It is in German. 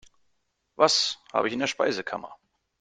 Was habe ich in der Speisekammer?